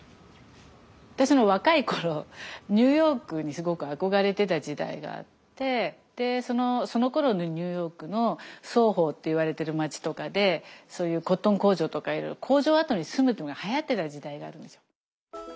私が若い頃ニューヨークにすごく憧れてた時代があってそのころのニューヨークのソーホーっていわれてる街とかでコットン工場とか工場跡に住むというのがはやってた時代があるんですよ。